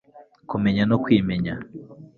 kumenya no kwimenya